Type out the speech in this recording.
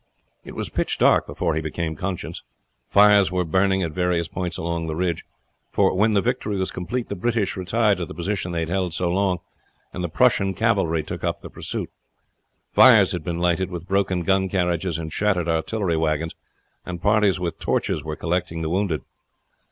It was pitch dark before he became conscious. Fires were burning at various points along the ridge; for when the victory was complete the British retired to the position they had held so long, and the Prussian cavalry took up the pursuit. Fires had been lighted with broken gun carriages and shattered artillery wagons, and parties with torches were collecting the wounded.